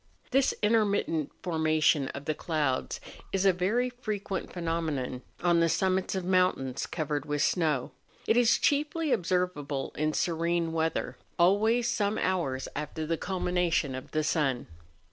This intermittent formation of the clouds is a very frequent pheno¬ menon on the summits of mountains covered with snow. It is chiefly observable in serene weather. 290 MOUNTAIN ADVENTURES. always some hours after the culmination of the sun.